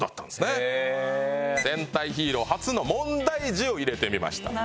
戦隊ヒーロー初の問題児を入れてみました。